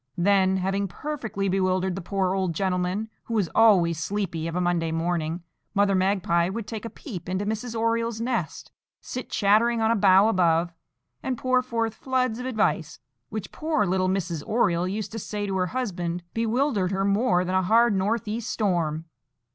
Then, having perfectly bewildered the poor old gentleman, who was always sleepy of a Monday morning, Mother Magpie would take a peep into Mrs. Oriole's nest, sit chattering on a bough above, and pour forth floods of advice, which, poor little Mrs. Oriole used to say to her husband, bewildered her more than a hard north east storm.